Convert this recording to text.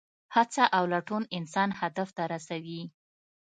هڅه او لټون انسان هدف ته رسوي.